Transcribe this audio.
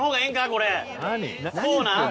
こうなん？